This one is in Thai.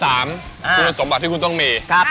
คุณสมบัติที่คุณต้องมี